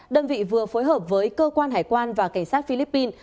đơn vị vừa phối hợp với cơ quan hải quan và cảnh sát philippines